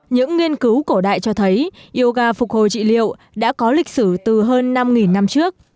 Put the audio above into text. những nghiên cứu cổ đại cho thấy yoga phục hồi trị liệu đã có lịch sử từ hơn năm năm trước